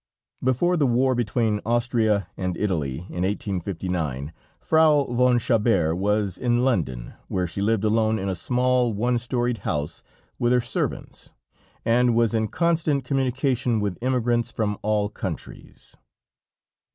Before the war between Austria and Italy in 1859, Frau von Chabert was in London, where she lived alone in a small, one storied house with her servants, and was in constant communication with emigrants from all countries.